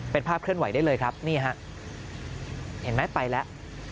เป็นภาพเคลื่อนไหวได้เลยครับนี่ฮะเห็นไหมไปแล้ว